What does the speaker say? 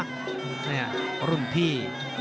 นี่รุ่นพี่